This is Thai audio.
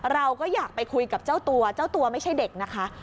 เราก็อยากไปคุยกับเจ้าตัวเจ้าตัวไม่ใช่เด็กนะคะ